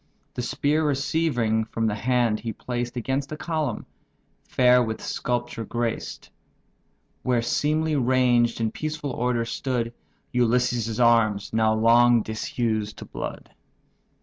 The spear receiving from the hand, he placed Against a column, fair with sculpture graced; Where seemly ranged in peaceful order stood Ulysses' arms now long disused to blood.